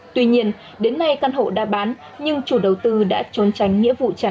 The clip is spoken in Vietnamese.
tuy nhiên đến nay căn hộ đã bán nhưng chủ đầu tư đã trốn tránh nghĩa vụ trả nợ